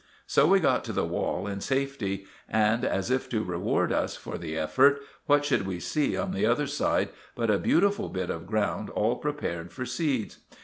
So we got to the wall in safety, and, as if to reward us for the effort, what should we see on the other side but a beautiful bit of ground all prepared for seeds!